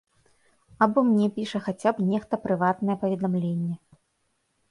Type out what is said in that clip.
Або мне піша хаця б нехта прыватнае паведамленне.